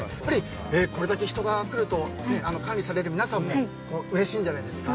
これだけ人が来ると管理される皆さんもうれしいんじゃないですか？